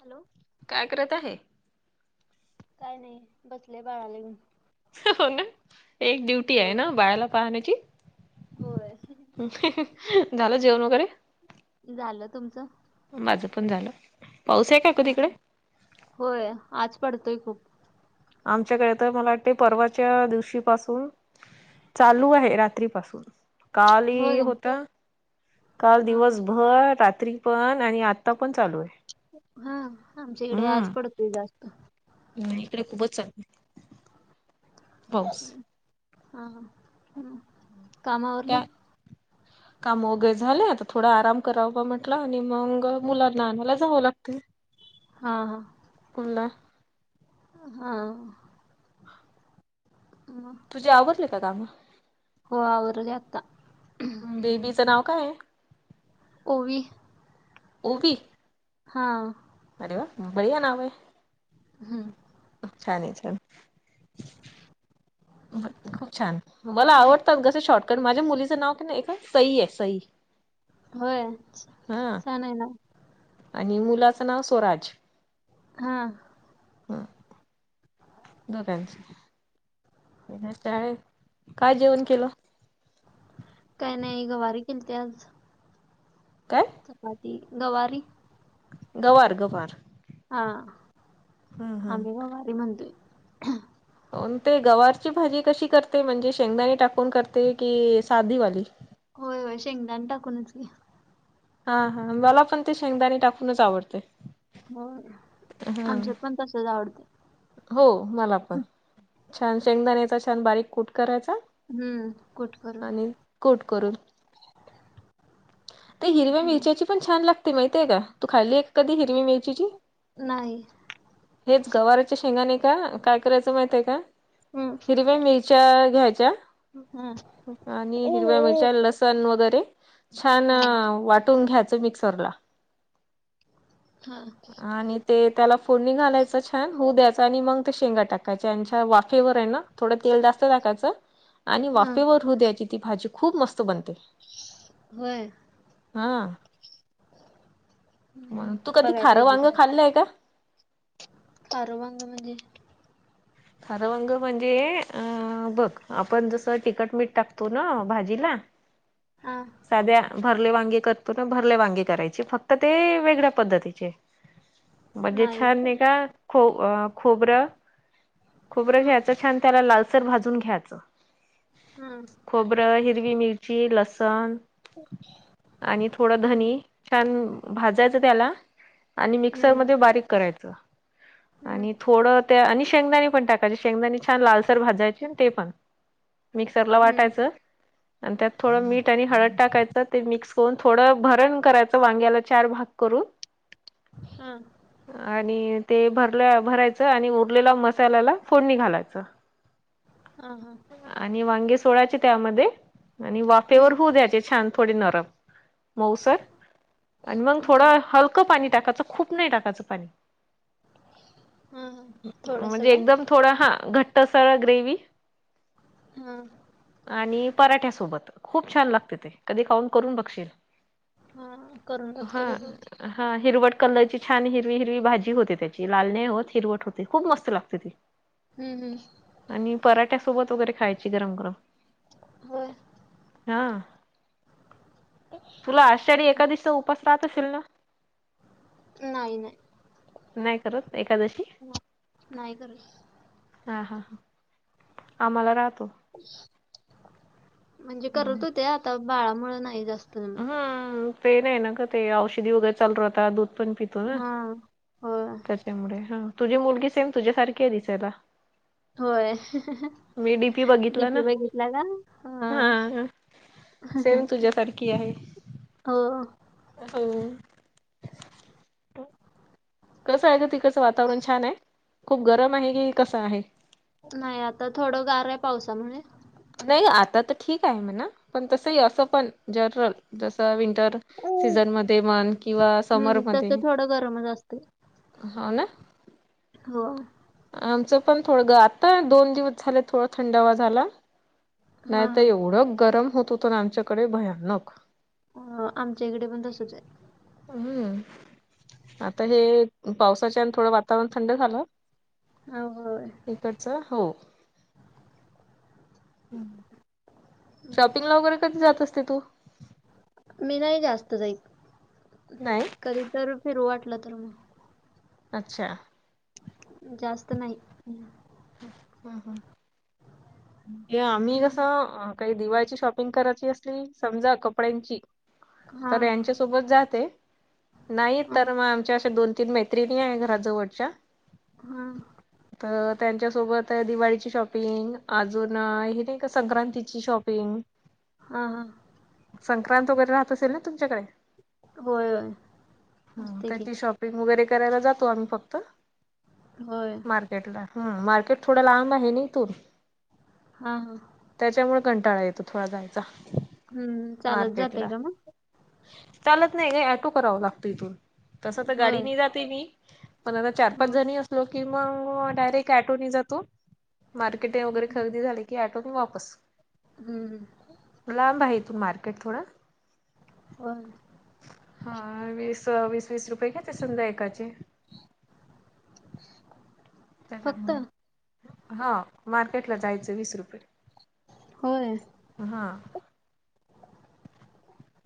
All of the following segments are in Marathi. हॅलो. काय करत आहे. काय नाही बसले बाळाला घेऊन. हो ना एक ड्युटी आहे हो ना बायाला पाहण्याची. होय. झालं जेवण वगैरे. झालं तुमचं. माझं पण झालं. पाऊस आहे का ह क तिकडे होय आज पडतोय खूप. आमच्याकडे तर मला वाटते परवाच्या दिवशी पाासून चालू आहे रात्रीपसून काल होय होत. काल हा हा दिवसभर रात्री पण आणि आता पण चालू आहे. हा आमच्या इकडे आज पडतय जास्त. ह इकडे खूपच चांगलं हा हम्. काम वगैरे झाले आता थोडा आराम करा म्हंटला आणि मग मुला नानाला जावं लागतील. हा हा. हा- तुझ्या आवडले कामं- हो आवरवर जता बेबीचं नाव काय हाय? ओवी. ओवी? हा. अरे वा बडिया नाव आहे. हम. छान आहे छान- खूप छान मला आवडतात कसे शॉर्ट पण माझ्या मुलीचं नाव नाही ए सई आहे. सई होय हा छान आहे. ना आणि मुलाचं नाव स्वराज. हा. हा दोगांनच. त्या काय जेवण केलं? काय नाही गवारी के ते आज. काय? चपाती गवारी? गवार गवार हा हम्म हम्म. आम्ही गवारी म्हणतोय ते गवारची भाजी कशी करते? म्हणजे शेंगदाणी टाकून करते की साधीवाली. होय होय शेंगदानी टाकूनच की. हा हा, मला पण ते शेंगदाने टाकूनच आवडते. हो ना हा आमच्यात पण तसच आवडतय. हो मला पण, छान शेंगदाण्याचा छान बारीक कुट करायचा. हम्म कुट करून आणि कुट करून ते हिरव्या हम्म मिरच्याची पण छान लागते माहितय का? तू खाल्ली ये कधी हिरवी् मिरचीची? नाही. तेच गवाराच्या शेंगा नाही का? काय करायचं माहितय का? हम्म हिरव्या मि रच्या घ्यायच्या हा आणि हिरव्या मिरच्या, लसण वगैरे छान हा वाटून घ्यायचं मिक्सरला हा आणि ते त्याला फोडणी घालायचं, छान होऊ द्यायचं आणि मग ते शेंगा टाकायचे आणि च्या वाफेवर हाय ना थोडं तेल जास्त टाकायचं आणि हा वाफेवर होऊ द्यायची ती भाजी खूप मस्त बनते. व्हय. हा. तू कधी बघाय खारं पाहिजे वांगं खाल्लंय का? खारं वांगं म्हणजे? खार वांग म्हणजे अ बघ, आपण जसं तीखट मीठ टाकतो ना भाजीला हा. साध्या भरले वांगे करतो ना, भरले वांगे करायचे फक्त ते वेगळ्या पद्धतीचे. [inaudible] म्हणजे छान नाही हा का खो खोबरं खोबरं घ्यायचं, छान त्याला लालसर भाजून घ्यायचं. हुं. खोबरं, हिरवी मिरची, लसण, आणि थोडं हम्म धनी छान भाजायचं त्याला आणि हम्म मिक्सरमध्ये बारीक करायचं हम्म आणि थोडं त्या आणि शेंगदाने पण टाकायची, शेंगदाणी छान लालसर भाजायची, ते पण मिक्सरला हम्म वाटायचं. आणि त्यात थोडं मीठ आणि हळद टाकायचं ते मिक्स करून, थोडं भरण करायचं वांग्याला चार भाग करून. हू. आणि ते भरल्या भरायचं आणि उरलेला मसाला त्याला ला फोडणी घालायच. हा हा. आणि वांगे सोडायचे त्यामध्ये आणि वाफेवर हम्म होऊ द्यायचे छान थोडे नरम. मऊसर आणि मग हा थोडं हलकं पाणी टाकाचं, खूप नाही टाकाचं पाणी हा हा थोडसं म्हणजे काय? एकदम थोडा हा घट्ट सार ग्रेवी. हा हा. आणि पराठ्यासोबत खूप छान लागते ते. कधी खावून करून बघशील. हा करून हा बगते कधीतरी. हा हिरवट कलरची छान हिरवी हिरवी भाजी होते त्याची, लाल नाई होत हिरवट होते खूप मस्त. मस्त लागते ती हूं हूं. आणि पराठ्यासोबत वगैरे खायची गरम गरम. होय. हा. तुम्ही? तुला आषाढी एकादशीचा उपास रहात असेल ना? नाही नाही. नाही करत एकादशी? नाही करत. हा हा. आम्हाला राहतो. म्हणजे करत हम्म होत्या आता बाळा मुंळ नाही जास्त जमत. हम्म, ते नाही ना ग ते औषधी वगैरे चालू राहता, दूध पण पितो ना, हा होय त्या त्यामुळे हा, तुझी मुलगी सेम तुझ्यासारखी ये दिसायला. होय, मी डीपी डी बघितला ना पी बघितला का? हां. सेमं तुझ्यासारखी आहे. हो हो. हो. कसं आहे ग तिकडचं वातावरण छान हाय, खूप गरम आहे की कसं आहे? नाही आता थोडं गार आहे पावसामुळे. नाही आता तर ठीक आहे म्हणा, पण तसंही असो पण जनरल जस विंटर सीझन मध्ये मन किंवा समर म तस थोडं गरमच असतय. हाव ना. हो. आमचं पण थोडं ग आता दोन दिवस झाले थोडं थंडावा झाला हा नाही त हा एवढं गरम होत होतं ना आमच्याकडे भयानक. हो आमच्या इकडे पण तसच ये. हूं. आता हे पावसाच्यान थोडं वातावरण थंड झालं आहे हो होय इकडच हो. शॉपिंग ला वगैरे कधी जात असते तू? मी नाही जास्त जाइत, नाही कधी तर फिरू वाटलं तर म अच्छा. जास्त नाही. हं हं. [inaudible] या आम्ही कसं काही दिवाळीची शॉपिंग करायची असली, समजा कपड्यांची हा तर यांच्या सोबत जाते, नाही हा तर म आमच्या आशा दोन तीन मैत्रिणी आहेत घराजवळच्या हां. तर त्यांच्यासोबत दिवाळीची शॉपिंग, अजून हे नाही का संक्रांतीची शॉपिंग हां हां. संक्रांत वगैरे राहत असेल ना तुमच्याकडे? होय होय हां असते की त्याची शॉपिंग वगैरे करायला जातो आम्ही फक्त होय. मार्केट थोडं लांब आहे नी इथून. हां हां. त्याच्यामुळ कंटाळा येतो थोडा जायचा, हम्म चालत जातय मार्केटला. का मग चालत नाही का ॲटो कराव लागतो इथून. तस तर गाडी होय नाही जाते मी पण आता चार पाच हं. जणी असलो की मग डायरेक्ट ते ऑटो ने जातो, मार्केट वगैरे खरेदी झाली की आटो ने वापस. हूं. लांब आहे इथून मार्केट थोडं. [inaudible] हा वीस वीस वीस रुपये घेते समजा एकाचे. [inaudible] त्याच्यामुळे, हा मार्केटला जायचं वीस रुपये. होय हा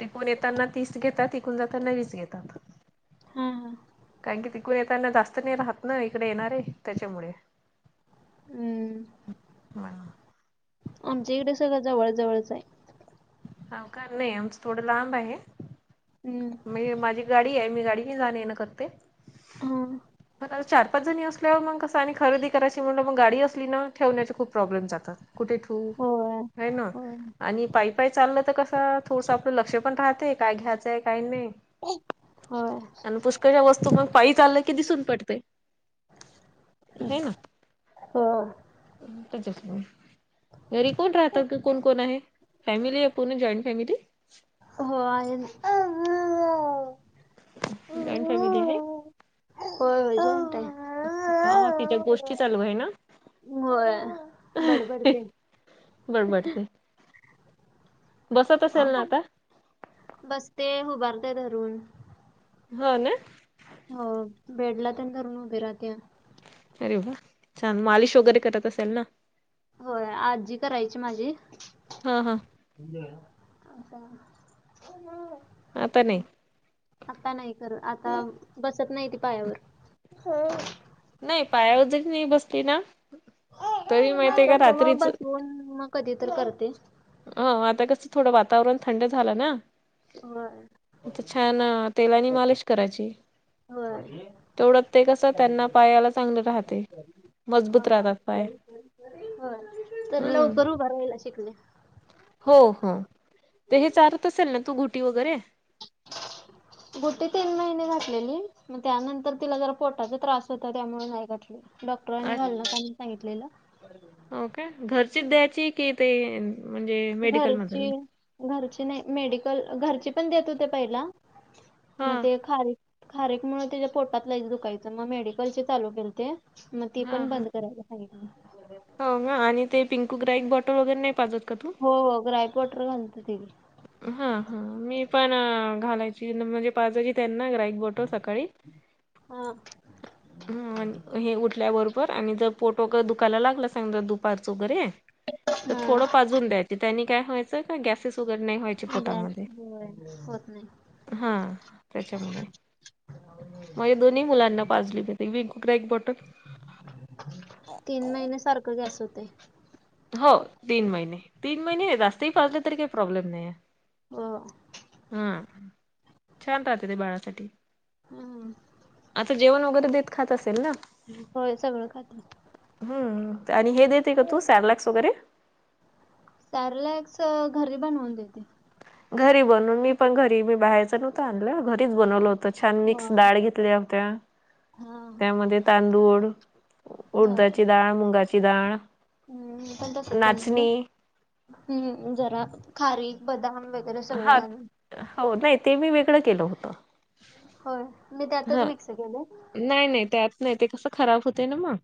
तिकून येताना तीस घेतात इकून जाताना वीस घेतात. हा हा कारण की तिकून येताना जास्त नाही राहत ना इकडे येणारे त्याच्यामुळे. हम्म [unintelligible] आमच्या इकडे सगळं जवळ जवळच आहे. ह का? नाही आमचं थोडं लांब आहे. हम्म मी माझी गाडी आहे मी गाडी ने जाणं येन करते हा पण आणि चार पाच जणी असल्यावर मग कस आणि खरेदी करायची म्हणल मग गाडी असली ना ठेवण्याचे खूप प्रॉब्लेम जातात कुठे ठेऊ होय होईना होय आणि पायी पायी चाललं तर कस थोडसं आपलं लक्ष पण राहते, काय घ्यायचंय काही नाही. होय आणि पुष्काळच्या वस्तू मग पायी चाललं की दिसून पडतेय [inaudible] ह हा [unintelligible] त्याच्याच मुळे घरी कोण राहत? क कोण कोण आहे फॅमिली आहे पूर्ण जॉईंट फॅमिली? हो आहे ना [unintelligible] जॉईंट फॅमिली आहे. होय होय जॉईंट आहे. हा तिच्या गोष्टी चालू आहे ना, होय हं बडबडते बडबडते. बसत असेल ना आता [unintelligible] बसते उभारते धरून. हो ना हो बेडला ते धरून उभी राहत्या अरे वा! छान मालिश वगैरे करत असेल ना? होय आजी करायची माझी हा हा [unintelligible] आता नाही. आता नाही करत आता बसत नाही ती पायावर. नाही पायावर जरी नाही बसली ना तरी हा माहितीय का तस मग रात्रीच बसवून मग कधी तर करते. हो आता कसं थोडं वातावरण थंड झालं ना होय आता छान अ तेलानी मालिश करायची. [unintelligible] तेढंत ते कसं त्यांना पायाला चांगलं राहते. हा मजबूत राहतात पाय होय तर हम्म लवकर उभा रायला शिकले. हो हो ते हे चारत असेल ना तू घुटी वगैरे [inaudible] गुठे तीन महिने घातलेली, मग त्यानंतर तिला जर पोटाचा त्रास होता, त्यामुळे नाही घातलीय. डॉक्टरांनी घालू नका म्हणून सांगितलेलं. हो का घरचीच द्यायची कि ते म्हणजे मेडिकल घरची मधल घरची नाय मेडिकल घरची पण देत होते, पहिला हा मग ते खारीक खारीकमूळ तिज्या पोटात लयचं दुकायचं मग मेडिकलचे चालू केलते. मग ति पण बंद करायला सांगितलं. होका आणि ते पिंकू ग्राईक बॉटल वगैरे नाय पाजत का तू? हो हो ग्राईक वॉटर घालते ते मी. हा हा मी पण अ घालायची म्हणजे पाजायची त्यांना ग्राईक. गोटो सकाळी [inaudible] हम्म अन हे उठल्याबरोबर आणि जर पोटोग दुखायला लागला समजा दुपारचं वगैरे तर थोडं हा पाजून द्यायच त्यानी काय व्हायचं का गॅसेस वगैरे नाही व्हायचे गॅस पोटामध्ये [unintelligible] होत नाय हा त्याच्यामुळे माझ्या दोन्ही मुलांना पाजलेली विक ग्राईक बॉटल. तीन महिने सारखं गॅस होतय. हो तीन महिने तीन महिने जास्तही पाजले तरी काही प्रॉब्लेम नाय. हो हम्म छान राहत ते बाळासाठी. हम्म आता जेवण वगैरे देत खात असेल ना? होय सगळं खाती. हम्म आणि हे देते का तू सॅरलक्स वगैरे? सर्लॅक्स अ घरी बनवून देते. घरी बनवून मी पण घरी मी बाहेयचं नव्हतं आणलं घरीच बनवलं होतं छान मिक्स होय. डळ घेत [unintelligible] होत्या हा त्यामध्ये तांदूळ उडदाची डाळ, मुंगाची डाळ. हम मी पण तसच बनवल. नाचणी हम्म जरा खारीक, बदाम वगैरे सगळं हा घालून. हो नाय ते मी वेगळं केलं होतं. होय मी त्यातच मिक्स केल. नाय नाय त्यात नाय ते कसं खराब होतय ना मग.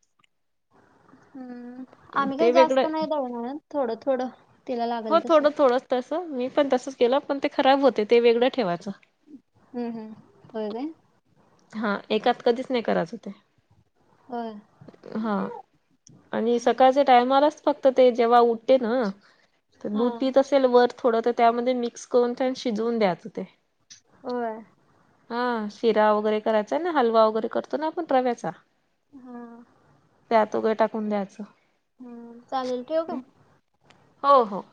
हम्म आम्ही काय ते वेगळं जास्त नाय दळन आणत थोडं थोडं तिला हो लागल तसं. थोडं थोडंच तसं मी पण तसंच केलं पण ते खराब होते ते वेगळं ठेवायचं. हम्म हम्म होय काय हा एकात कधीच नाय करायच ते. होय हा आणि सकाळचे टायमालाच फक्त ते जेव्हा उठते ना हा दूध पीत असेल वर थोड त्यामध्ये मी मिक्स करून ते शिजवून द्याच ते होय. हा शिरा वगैरे करायचाय ना, हलवा वगैरे करतो ना, आपण रव्याचा. हा त्यात [unintelligible] टाकून द्यायचं. हम्म, चालेल ठेवू काय? हो हो.